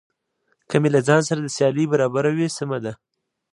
که مې له ځان سره د سیالۍ برابر وي سمه ده.